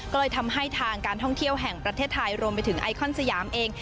ก็เลยทำให้ทางการท่องเที่ยวแห่งประเทศไทยรวมไปถึงไอคอนสยามเอง